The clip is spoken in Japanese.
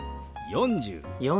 ４０。